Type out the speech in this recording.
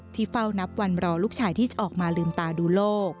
เฝ้านับวันรอลูกชายที่จะออกมาลืมตาดูโลก